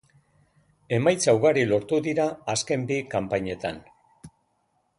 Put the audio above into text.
Emaitza ugari lortu dira azken bi kanpainetan.